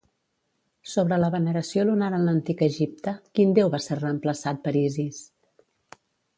Sobre la veneració lunar en l'antic Egipte, quin déu va ser reemplaçat per Isis?